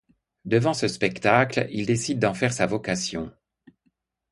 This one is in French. Devant ce spectacle, il décide d'en faire sa vocation.